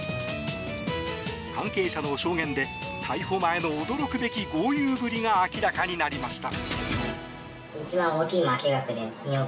関係者の証言で逮捕前の驚くべき豪遊ぶりが明らかになりました。